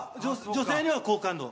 女性には好感度。